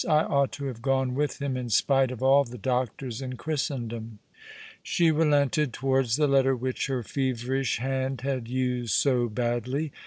I ought to have gone with him, in spite of all the doctors in Christendom." She relented towards the letter which her feverish hand had used so badly.